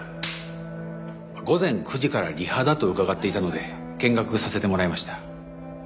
午前９時からリハだと伺っていたので見学させてもらいました。